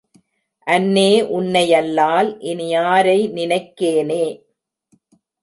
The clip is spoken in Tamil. அன்னே உன்னை யல்லால் இனி ஆரை நினைக்கேனே!